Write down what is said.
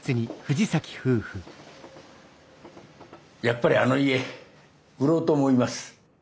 やっぱりあの家売ろうと思います。